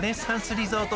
リゾート